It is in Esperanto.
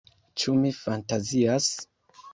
Ĉu mi fantazias?